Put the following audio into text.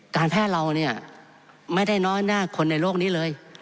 การแพทย์เราเนี่ยไม่ได้น้อยหน้าคนในโลกนี้เลย